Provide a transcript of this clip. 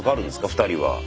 ２人は。